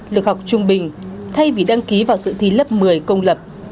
lực học trung bình thay vì đăng ký vào sự thi lớp một mươi công lập